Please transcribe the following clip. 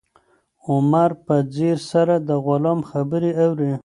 عمر په ځیر سره د غلام خبرې اوري.